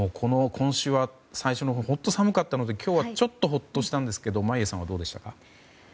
今週は、最初のほう寒かったので、今日はちょっとほっとしたんですけど眞家さんは、どうでしたか？